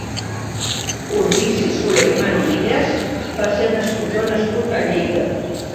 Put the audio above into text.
Urbici Soler i Manonelles va ser un escultor nascut a Lleida.